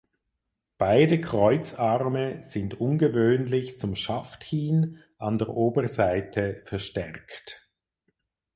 Beide Kreuzarme sind ungewöhnlich zum Schaft hin an der Oberseite verstärkt.